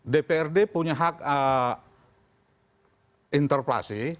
dprd punya hak interpelasi